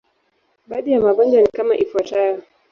Baadhi ya magonjwa ni kama ifuatavyo.